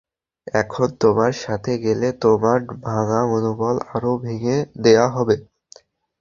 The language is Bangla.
এখন তোমার সাথে গেলে তোমার ভাঙ্গা মনোবল আরো ভেঙ্গ দেওয়া হবে।